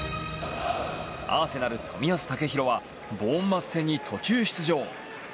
アーセナル・冨安健洋はボーンマス戦に途中出場。